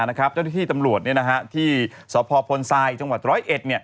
เจ้าหน้าที่ตำรวจที่สพซายจังหวัดร้อยเอ็ด